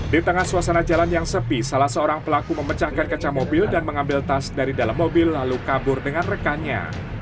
di tengah suasana jalan yang sepi salah seorang pelaku memecahkan kaca mobil dan mengambil tas dari dalam mobil lalu kabur dengan rekannya